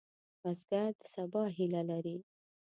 بزګر د سبا هیله لري